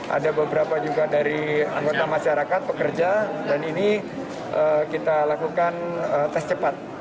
ada beberapa juga dari anggota masyarakat pekerja dan ini kita lakukan tes cepat